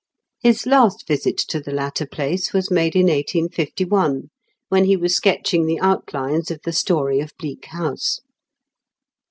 His last visit to the latter place was made in 1851, when he was sketching the outlines of the story of Bleak House.